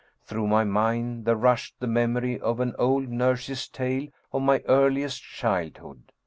Through my mind there rushed the memory of an old nurse's tale of my earliest childhood.